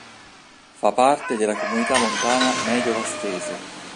Fa parte della Comunità montana Medio Vastese.